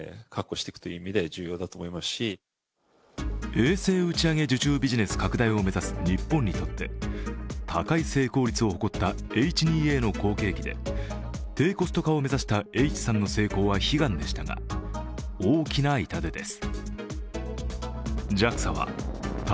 衛星打ち上げ受注ビジネス拡大を目指す日本にとって高い成功率を誇ったＨ２Ａの後継機で低コスト化を目指したＨ３の成功は悲願でしたが、大きな痛手です。